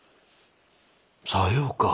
さようか。